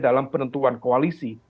dalam penentuan koalisi